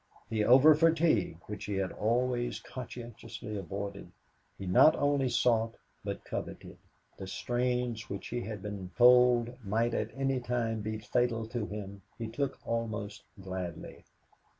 The over fatigue which he had always conscientiously avoided he not only sought but coveted; the strains which he had been told might at any time be fatal to him, he took almost gladly.